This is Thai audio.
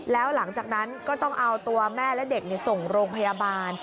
แล้วหลังจากนั้นก็ต้องเอาตัวแม่และเด็กส่งโรงพยาบาล